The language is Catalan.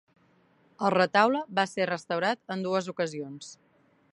El retaule va ser restaurat en dues ocasions.